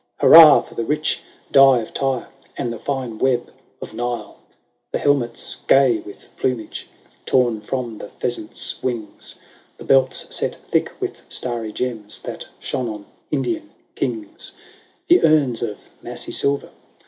Hurrah ! for the rich dye of Tyre, And the fine web of Nile, The helmets gay with plumage Torn from the pheasant's wings, The belts set thick with starry gems That shone on Indian kings, The urns of massy silver.